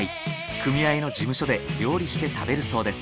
組合の事務所で料理して食べるそうです。